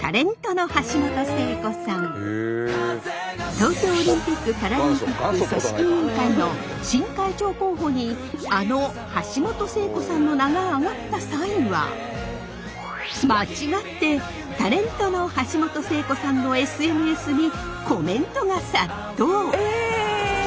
東京オリンピック・パラリンピック組織委員会の新会長候補にあの橋本聖子さんの名が挙がった際は間違ってタレントの橋本聖子さんのＳＮＳにコメントが殺到！